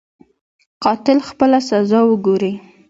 قاتل خپله سزا وګوري.